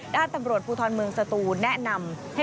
ด้านตำรวจภูทรเมืองสตูแนะนำให้